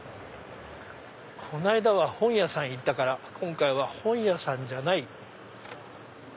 この間は本屋さんに行ったから今回は本屋さんじゃない。